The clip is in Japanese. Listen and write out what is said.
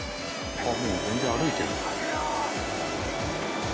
あっもう全然歩いてる。